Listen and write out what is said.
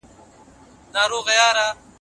د جرګي په جریان کي به بېلابېلې کمیټې جوړېدلې.